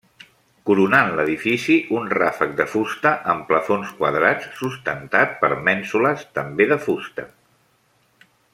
Coronant l'edifici, un ràfec de fusta amb plafons quadrats sustentat per mènsules també de fusta.